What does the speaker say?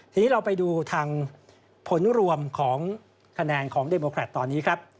ทีนี้เราไปดูทางผลรวมของคะแนนของเดโมแครตตอนนี้ครับ